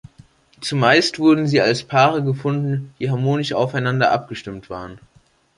Zumeist wurden sie als Paare gefunden, die harmonisch aufeinander abgestimmt waren.